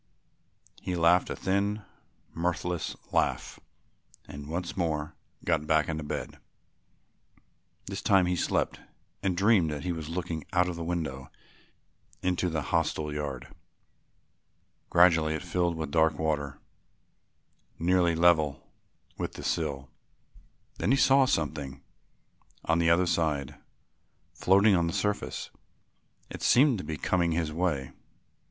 He laughed a thin mirthless laugh and once more got back into bed. This time he slept and dreamed that he was looking out of the window into the hostel yard. Gradually it filled with dark water nearly level with the sill. Then he saw something on the other side, floating on the surface. It seemed to be coming his way.